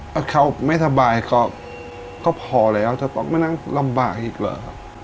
ถ้าเขาไม่สบายก็พอแล้วจะต้องมานั่งลำบากอีกเหรอครับ